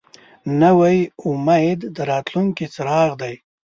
نوی امید د راتلونکي څراغ دی